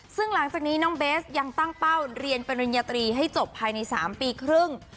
ซึ่งหลังจากนี้น้องเบสยังตั้งเป้าเรียนปริญญาตรีให้จบภายใน๓ปีครึ่ง